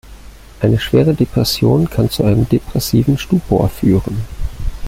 Eine schwere Depression kann zu einem "depressiven Stupor" führen.